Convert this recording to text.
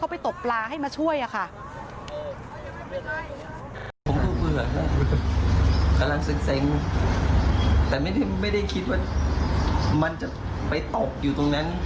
กำลังเซ็งแต่ไม่ได้คิดว่ามันจะไปตกอยู่ตรงนั้น